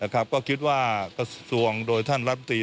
ก็คิดว่ากระทรวงโดยท่านรับตรี